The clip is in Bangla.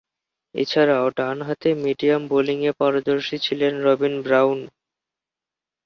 এছাড়াও, ডানহাতে মিডিয়াম বোলিংয়ে পারদর্শী ছিলেন রবিন ব্রাউন।